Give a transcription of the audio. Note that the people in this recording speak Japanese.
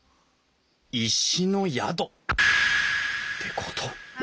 石の宿ってこと？